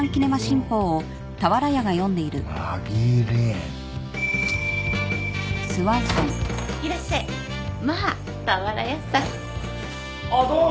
あっどうも。